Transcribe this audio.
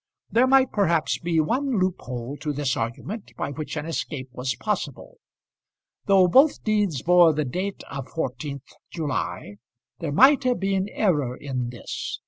There might, perhaps, be one loophole to this argument by which an escape was possible. Though both deeds bore the date of 14th July, there might have been error in this.